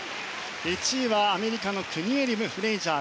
１位はアメリカのクニエリム、フレイジャー。